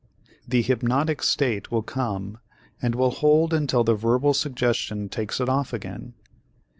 The hypnotic state will come and will hold until the verbal suggestion takes it off again.